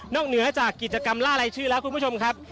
เหนือจากกิจกรรมล่ารายชื่อแล้วคุณผู้ชมครับ